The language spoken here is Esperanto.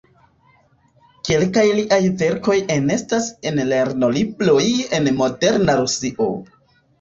Kelkaj liaj verkoj enestas en lernolibroj en moderna Rusio.